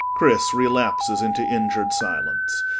[CHRIS relapses into injured silence.